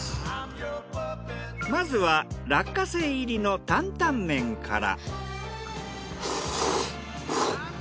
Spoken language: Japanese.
まずは落花生入りの坦々麺から。